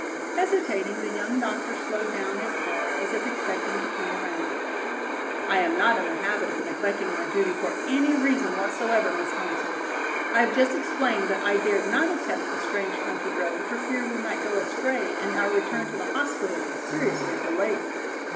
Hesitating the young doctor slowed down his car as if expecting to turn around. "I am not in the habit of neglecting my duty for any reason whatsoever, Miss Thompson. I have just explained that I dared not attempt a strange country road for fear we might go astray and our return to the hospital be seriously delayed."